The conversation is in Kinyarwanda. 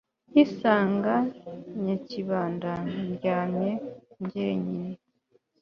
nkisanga nyakibanda ndyamye njyenyine